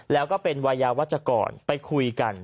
แล้วก็เป็นวัยยาวัชกรไปคุยกัน